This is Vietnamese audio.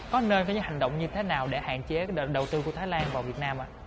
có nơi có những hành động như thế nào để hạn chế đợt đầu tư của thái lan vào việt nam